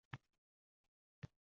U shuni aytib qoldi va o‘qing dedi.